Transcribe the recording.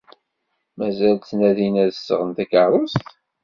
Mazal ttnadin ad d-sɣen takeṛṛust?